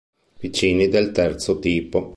Vicini del terzo tipo